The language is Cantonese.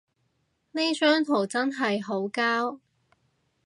呢張圖真係好膠